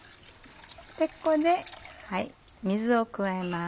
ここで水を加えます。